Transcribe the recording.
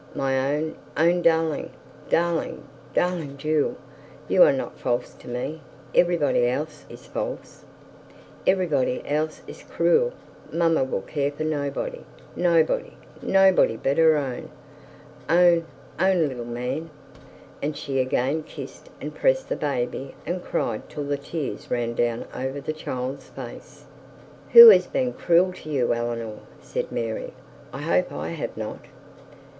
My own, own darling, darling, darling jewel. You are not false to me. Everybody else is false; everybody else is cruel. Mamma will care for nobody, nobody, nobody, but her own, own, own, little man;' and she again kissed and pressed the baby, and cried till the tears ran down over the child's face. 'Who has been cruel to you, Eleanor?' said Mary. 'I hope I have not.'